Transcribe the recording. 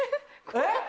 えっ？